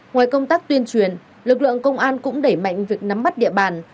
ngoài công tác tuyên truyền lực lượng công an cũng đẩy mạnh việc nắm mắt địa bàn